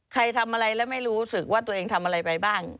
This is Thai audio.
ทำอะไรแล้วไม่รู้สึกว่าตัวเองทำอะไรไปบ้าง